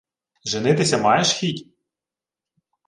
— Женитися маєш хіть?